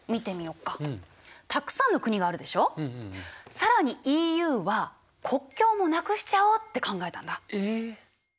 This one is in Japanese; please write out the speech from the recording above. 更にＥＵは国境もなくしちゃおうって考えたんだ。え！？